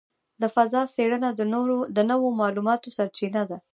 د فضاء څېړنه د نوو معلوماتو سرچینه ده.